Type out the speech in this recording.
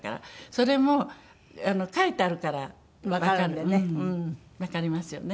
それも書いてあるからわかるわかりますよね。